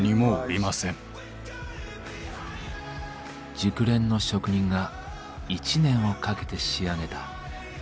熟練の職人が１年をかけて仕上げた最高傑作。